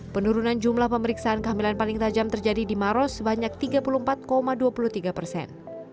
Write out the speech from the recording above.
penurunan jumlah pemeriksaan kehamilan paling tajam terjadi di maros sebanyak tiga puluh empat dua puluh tiga persen